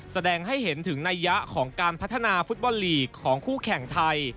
แสดงให้เห็นถึงนัยยะของการพัฒนาฟุตบอลลีกของคู่แข่งไทย